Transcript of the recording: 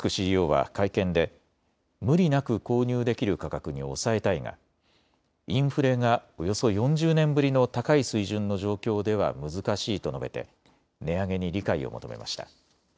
ＣＥＯは会見で無理なく購入できる価格に抑えたいがインフレがおよそ４０年ぶりの高い水準の状況では難しいと述べて値上げに理解を求めました。